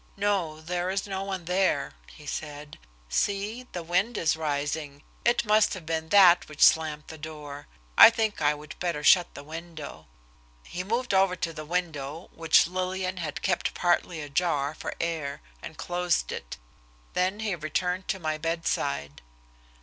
"No, there is no one there," he said. "See, the wind is rising. It must have been that which slammed the door. I think I would better shut the window." He moved over to the window, which Lillian had kept partly ajar for air, and closed it. Then he returned to my bedside.